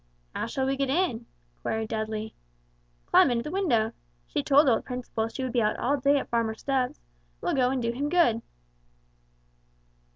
"How shall we get in?" queried Dudley. "Climb in at the window. She told old Principle she would be out all day at Farmer Stubbs. We'll go and do him good."